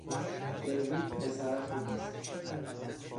دیوید پسر خوبی است.